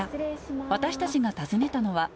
私たちが訪ねたのは。